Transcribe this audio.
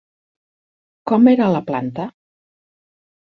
Com era la planta?